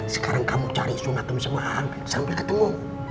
sekarang kamu cari sunat umur semua aang sambil ketemu